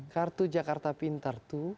kartu jakarta pintar itu